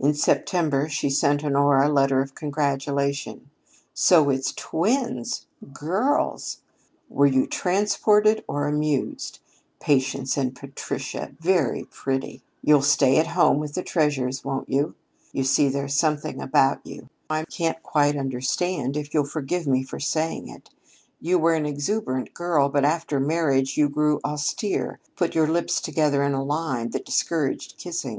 In September she sent Honora a letter of congratulation. "So it's twins! Girls! Were you transported or amused? Patience and Patricia very pretty. You'll stay at home with the treasures, won't you? You see, there's something about you I can't quite understand, if you'll forgive me for saying it. You were an exuberant girl, but after marriage you grew austere put your lips together in a line that discouraged kissing.